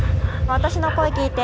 私の声聞いて。